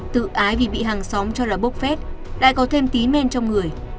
tự ái vì bị hàng xóm cho là bốc phét lại có thêm tí men trong người